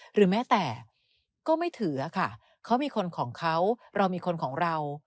หรือแม้แต่ก็ไม่ถือค่ะเขามีคนของเขาเรามีคนของเรา